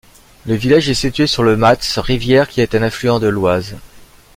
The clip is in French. Le village est situé sur le Matz rivière qui est un affluent de l'Oise.